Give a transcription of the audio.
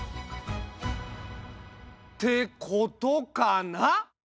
ってことかな？